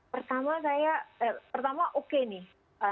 pertama saya pertama oke nih